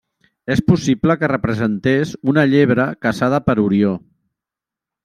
És possible que representés una llebre caçada per Orió.